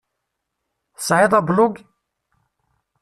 Tesεiḍ ablug?